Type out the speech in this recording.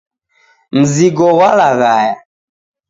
Mzigo ghwa laghaya